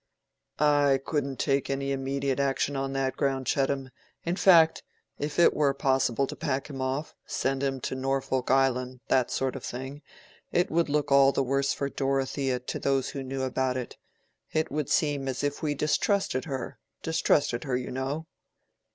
"I couldn't take any immediate action on that ground, Chettam. In fact, if it were possible to pack him off—send him to Norfolk Island—that sort of thing—it would look all the worse for Dorothea to those who knew about it. It would seem as if we distrusted her—distrusted her, you know."